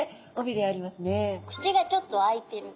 口がちょっと開いてる。